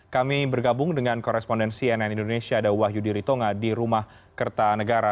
kami bergabung dengan korespondensi nn indonesia ada wahyu diritonga di rumah kertanegara